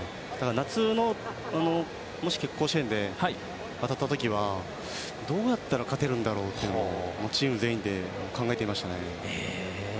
夏、もし甲子園で当たったときはどうやったら勝てるんだろうとチーム全体で考えていましたね。